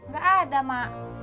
gak ada ma